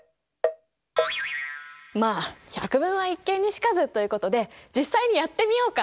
まあ「百聞は一見に如かず」ということで実際にやってみようか？